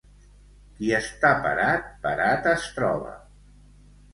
Qui està parat, parat es troba.